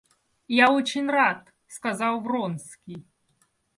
Я очень рад, — сказал Вронский.